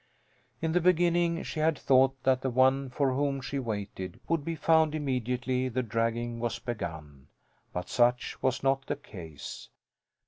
In the beginning she had thought that the one for whom she waited would be found immediately the dragging was begun. But such was not the case.